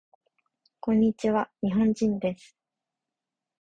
こんにちわ。日本人です。